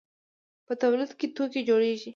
په تولید کې توکي جوړیږي.